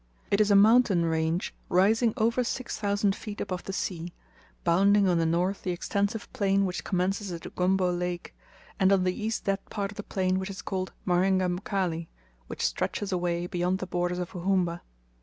It is a mountain range rising over 6,000 feet above the sea, bounding on the north the extensive plain which commences at Ugombo lake, and on the east that part of the plain which is called Marenga Mkali, which stretches away beyond the borders of Uhumba.